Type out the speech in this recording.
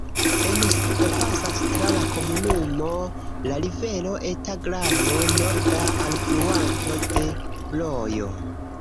En sudo pasas tra la komunumo la rivero Eta Glano, norda alfluanto de Brojo.